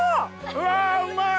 うわうまい！